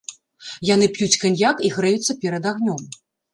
Яны п'юць каньяк і грэюцца перад агнём.